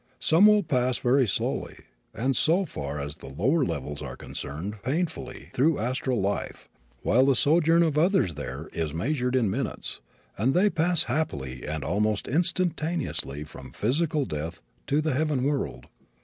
Some will pass very slowly and, so far as lower levels are concerned, painfully, through astral life, while the sojourn of others there is measured in minutes, and they pass happily and almost instantaneously from physical death to the heaven world.